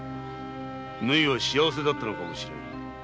縫は幸せだったのかもしれん。